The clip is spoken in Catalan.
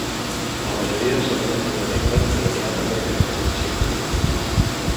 La majoria s'alimenten de nèctar, però n'hi ha també que mengen insectes i fruits.